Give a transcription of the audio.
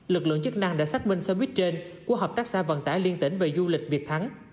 lực lượng chức năng đã xác minh xe buýt trên của hợp tác xã vận tải liên tỉnh về du lịch việt thắng